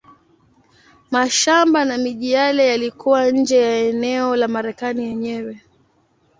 Mashamba na miji yale yalikuwa nje ya eneo la Marekani yenyewe.